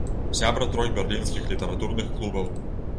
Сябра трох берлінскіх літаратурных клубаў.